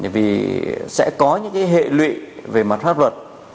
vì sẽ có những hệ lụy về mặt pháp luật